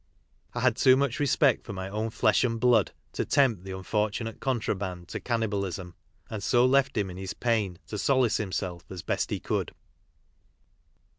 I had too much respect for my own flesh and blood to tempt the unfortunate "contrabrand " to cannibalism, and so left him in his pain to solace himself as best he could.